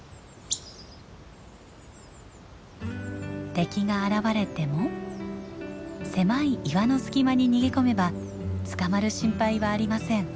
敵が現れても狭い岩の隙間に逃げ込めばつかまる心配はありません。